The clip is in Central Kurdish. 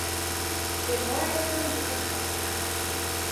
پێم وایە تۆم درۆم لەگەڵ دەکات.